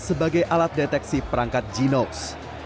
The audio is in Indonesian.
sebagai alat deteksi perangkat genox